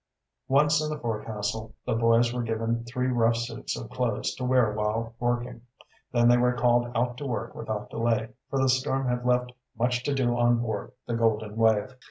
Once in the forecastle the boys were given three rough suits of clothes to wear while working. Then they were called out to work without delay, for the storm had left much to do on board the Golden Wave.